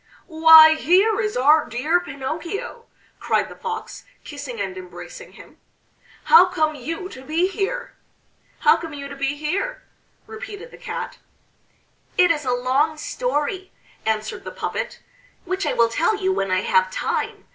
"Why here is our dear Pinocchio!" cried the Fox, kissing and embracing him. "How come you to be here?" "How come you to be here?" repeated the Cat. "It is a long story," answered the puppet, "which I will tell you when I have time.